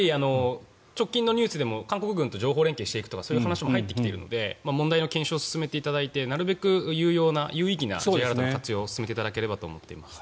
直近のニュースでも韓国軍と情報連携していくとかそういう話も入ってきているので問題の検証を進めていただいてなるべく有用な、有意義なＪアラートの活用を進めていただければと思います。